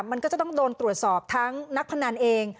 มันก็จะต้องโดนตรวจสอบทั้งนักพนันเอง